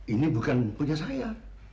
ini bukan punya saya